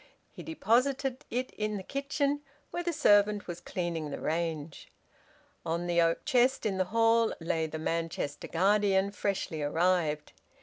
He deposited it in the kitchen, where the servant was cleaning the range. On the oak chest in the hall lay the "Manchester Guardian," freshly arrived.